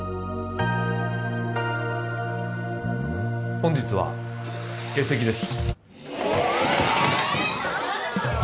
本日は欠席です